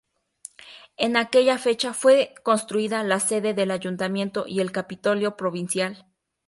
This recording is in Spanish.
En aquella fecha fue construida la sede del Ayuntamiento y el Capitolio provincial.